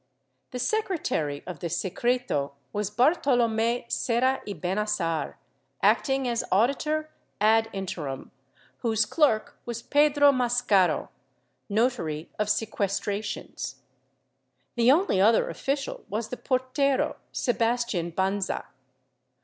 The secretary of the secreto was Bartolome Serra y Bennassar, acting as auditor ad interim, whose clerk was Pedro Mascaro, notary of sequestrations. The only other official was the portero, Sebastian Banza.